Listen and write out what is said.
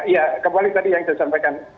ya kembali tadi yang saya sampaikan